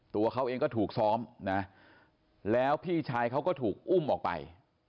ตัวเขาเองก็ถูกซ้อมนะแล้วพี่ชายเขาก็ถูกอุ้มออกไป